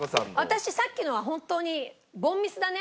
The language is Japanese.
私さっきのは本当に凡ミスだね。